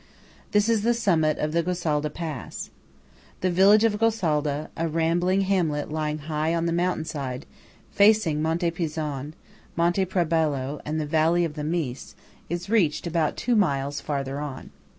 This is the summit of the Gosalda pass. The village of Gosalda, a rambling hamlet lying high on the mountain side, facing Monte Pizzon, Monte Prabello and the valley of the Mis, is reached about two miles farther on.